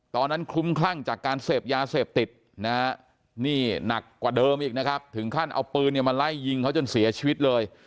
ตอนนั้นคุ้มคลั่งกับเศษยาเสพติดนะนี่หนักกว่าเดิมอีกนะฮะถึงขั้นเอาปืนเนี่ยมันไล่ยิงเขาที่จะเสียชีวิตเลย